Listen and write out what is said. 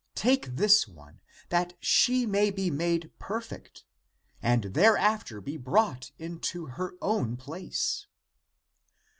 Take this one, that she may be made perfect, and thereafter be brought into her own place